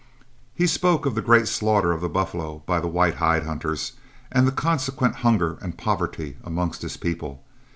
He spoke of the great slaughter of the buffalo by the white hide hunters, and the consequent hunger and poverty amongst his people.